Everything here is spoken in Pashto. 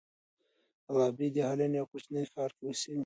غابي د هالنډ یوه کوچني ښار کې اوسېږي.